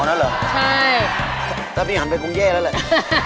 อ๋อนะเหรอสติมีหั่นไปกรุงเย่แล้ว